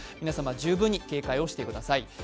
皆様、十分に警戒をしてください。